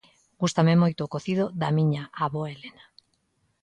Gústame moito o cocido da miña avoa Elena.